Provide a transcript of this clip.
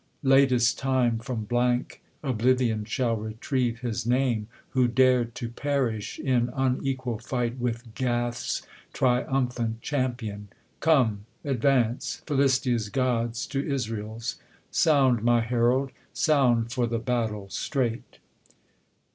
Latest time From blank oblivion shall retrieve his name, Who dar'd to perish in unequal fight W'ith Gath's triumphant champion. Come, advance ! Philistia's gods to IsraePs. Sound, my herald, Sound for the battle straight